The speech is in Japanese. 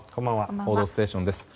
「報道ステーション」です。